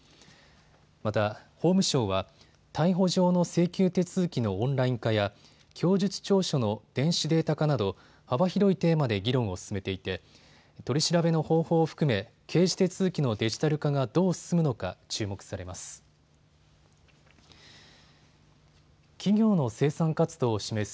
また、法務省は逮捕状の請求手続きのオンライン化や供述調書の電子データ化など幅広いテーマで議論を進めていて取り調べの方法を含め刑事手続きのデジタル化がどう進むのか注目されます。